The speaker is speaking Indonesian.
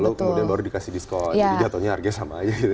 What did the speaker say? lalu kemudian baru dikasih diskon jadi jatuhnya harganya sama aja gitu